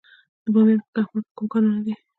د بامیان په کهمرد کې کوم کانونه دي؟